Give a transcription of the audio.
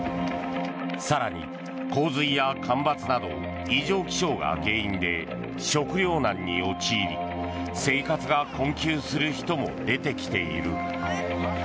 更に、洪水や干ばつなど異常気象が原因で食料難に陥り生活が困窮する人も出てきている。